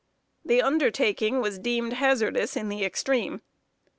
The undertaking was deemed hazardous in the extreme.